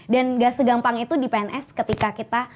dan gak segampang itu di pns ketika kita